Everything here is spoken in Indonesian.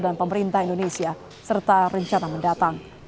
dan pemerintah indonesia serta rencana mendatang